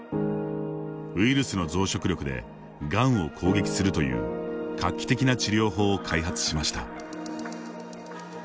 ウイルスの増殖力でがんを攻撃するという画期的な治療法を開発しました。